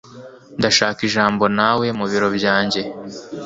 Ndashaka ijambo nawe mubiro byanjye.